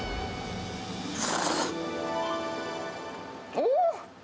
おー。